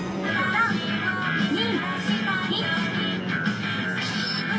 「３２１」。